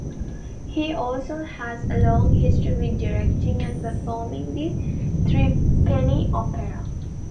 He also has a long history with directing and performing "The Threepenny Opera".